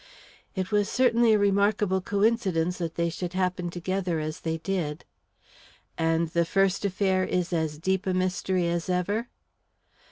"It was certainly a remarkable coincidence that they should happen together as they did." "And the first affair is as deep a mystery as ever?"